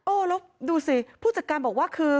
แล้วดูสิผู้จัดการบอกว่าคือ